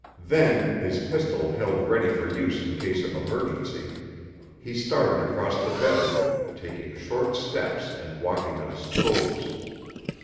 Then, his pistol held ready for use in case of emergency, he started across the bedroom, taking short steps and walking on his toes.